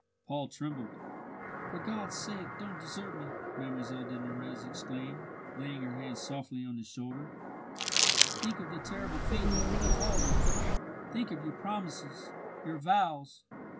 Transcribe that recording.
Paul trembled. "For God's sake, don't desert me!" Mlle de Nurrez exclaimed, laying her hand softly on his shoulder. "Think of the terrible fate that will befall me! Think of your promises, your vows!"